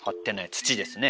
土ですね。